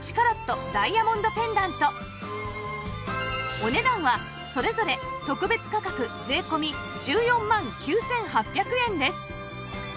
お値段はそれぞれ特別価格税込１４万９８００円です